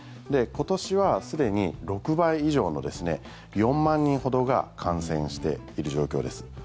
今年はすでに６倍以上の４万人ほどが感染している状況です。